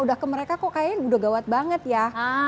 udah ke mereka kok kayaknya udah gawat banget ya